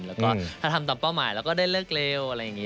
แล้วก็ถ้าทำตามเป้าหมายแล้วก็ได้เลิกเร็วอะไรอย่างนี้